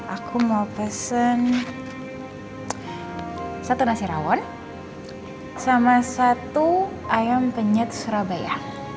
aku mau pesen satu nasi rawon sama satu ayam penyet surabaya